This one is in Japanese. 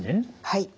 はい。